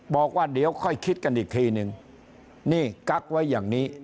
บอกว่าเดี๋ยวค่อยคิดกันอีกทีนึงนี่กั๊กไว้อย่างนี้